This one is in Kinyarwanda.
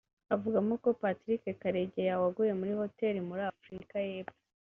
Avugamo ko Patrick Karegeya waguye muri Hotel muri Afurika y’Epfo